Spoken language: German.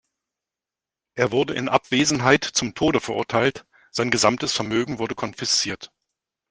Er wurde in Abwesenheit zum Tode verurteilt, sein gesamtes Vermögen wurde konfisziert.